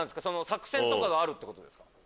作戦とかがあるってことですか？